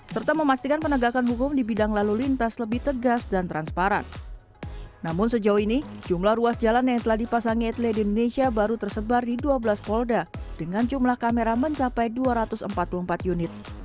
serta memastikan penegak kondisi berkendaraan yang berkendaraan